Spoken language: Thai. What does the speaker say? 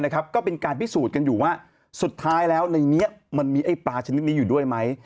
ก็เป็นการพิสูจน์กันอยู่ว่าสุดท้ายแล้วในนี้มันมีไอ้ปลาชนิดนี้อยู่ด้วยไหม